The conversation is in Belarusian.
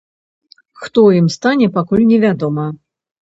Хто ім стане, пакуль невядома.